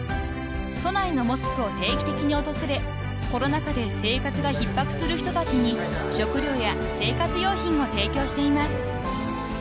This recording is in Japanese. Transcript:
［都内のモスクを定期的に訪れコロナ禍で生活が逼迫する人たちに食料や生活用品を提供しています］